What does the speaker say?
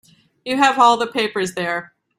You have all the papers there.